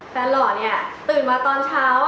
หล่อเนี่ยตื่นมาตอนเช้า